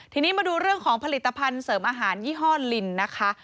ทีนี้มาดูเรื่องของผลิตภัณฑ์เสริมอาหารยี่ห้อลินนะคะ